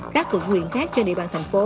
các cựu nguyện khác trên địa bàn thành phố